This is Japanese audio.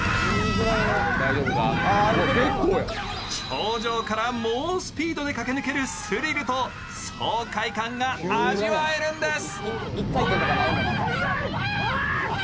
頂上から猛スピードで駆け抜けるスリルと爽快感が味わえるんです。